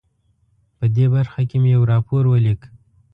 په دې برخه کې مې یو راپور ولیک.